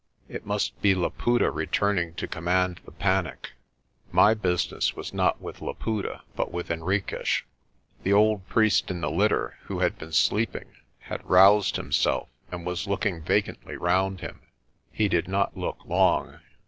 It must be Laputa returning to command the panic. My business was not with Laputa but with Henriques. The old priest in the litter, who had been sleeping, had roused himself, and was looking vacantly round him. He did not look long.